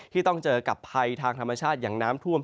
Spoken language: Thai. ที่ต้องเจอกับภัยทางธรรมชาติอย่างน้ำท่วม